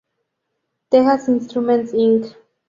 Texas Instruments Inc.